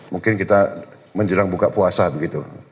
mungkin kita menjelang buka puasa begitu